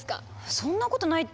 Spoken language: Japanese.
そんなことないって。